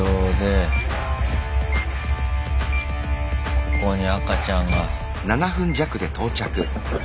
ここに赤ちゃんが。